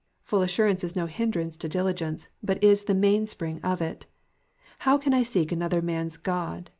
Full assurance is no hindrance to diligence, but is the mainspiiug of it. How can I seek another man^s God?